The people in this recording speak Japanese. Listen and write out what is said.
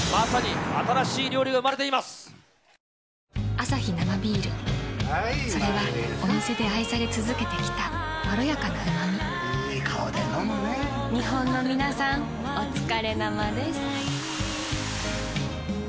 アサヒ生ビールそれはお店で愛され続けてきたいい顔で飲むね日本のみなさんおつかれ生です。